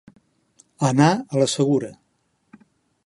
Anar a la segura.